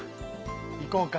いこうか。